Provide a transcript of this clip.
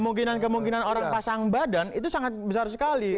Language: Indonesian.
kemungkinan kemungkinan orang pasang badan itu sangat besar sekali